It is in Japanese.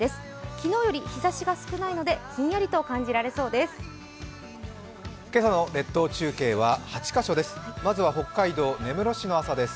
昨日より日ざしが少ないのでひんやりと感じられそうです。